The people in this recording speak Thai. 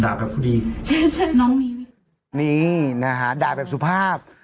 แบบพอดีใช่ใช่น้องมีไหมนี่นะฮะด่าแบบสุภาพ